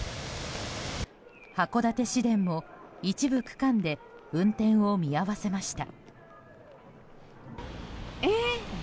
函館市電でも一部区間で運転を見合わせました。